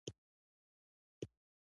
غیرتمند د هر مظلوم غږ دی